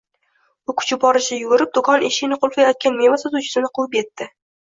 U kuchi boricha yugurib, do`kon eshigini qulflayotgan meva sotuvchisini quvib etdi